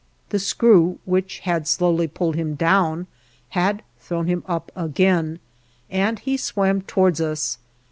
The screw, which had slowly pulled him down, had thrown him up again, and he swam towards us.